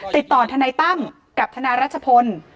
ทนายตั้มกับทนายรัชพล